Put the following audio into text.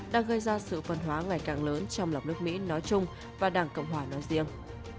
đang gây ra sự phân hóa ngày càng lớn trong lòng nước mỹ nói chung và đảng cộng hòa nói riêng